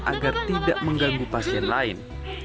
agar tidak mengganggu pasien lain